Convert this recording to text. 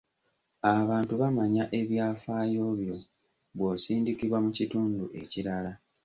Abantu bamanya ebyafaayo byo bw'osindikibwa mu kitundu ekirala.